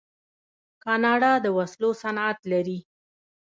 کاناډا د وسلو صنعت لري.